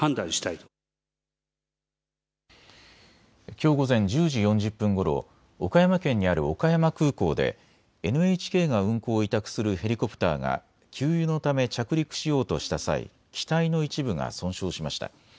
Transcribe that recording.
きょう午前１０時４０分ごろ岡山県にある岡山空港でＮＨＫが運航を委託するヘリコプターが給油のため着陸しようとした際、機体の一部が損傷しました。